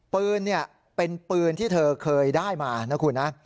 ปืนเป็นปืนที่เธอเคยได้มานะคุณนะ